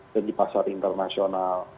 jadi pasar internasional